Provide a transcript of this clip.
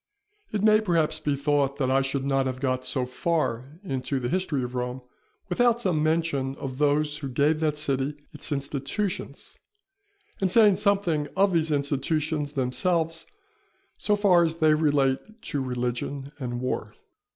It may perhaps be thought that I should not have got so far into the history of Rome, without some mention of those who gave that city its institutions, and saying something of these institutions themselves, so far as they relate to religion and war.